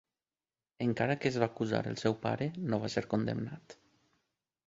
Encara que es va acusar el seu pare, no va ser condemnat.